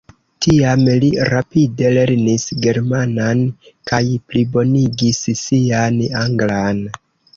Tiam li rapide lernis germanan kaj plibonigis sian anglan.